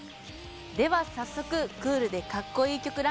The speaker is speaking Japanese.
では早速「クールでかっこいい曲」